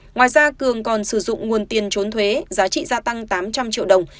ngoài ra cường còn sử dụng nguồn tiền trốn thuế giá trị gia tăng tám trăm linh triệu đồng